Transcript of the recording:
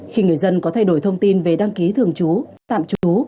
khi người dân có thay đổi thông tin về đăng ký thường trú